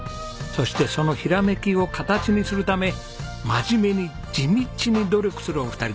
そしてそのひらめきを形にするため真面目に地道に努力するお二人です。